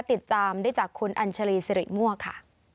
ติดตามได้จากคุณอัญชารีสิริมั่วค่ะ